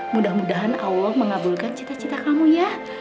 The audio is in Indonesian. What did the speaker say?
mudah mudahan allah mengabulkan cita cita kamu ya